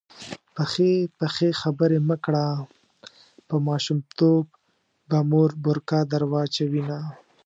پخې پخې خبرې مه کړه_ په ماشومتوب به مور بورکه در واچوینه